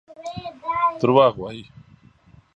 دروغ وايي.